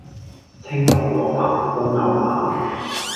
青紅蘿蔔煲牛腩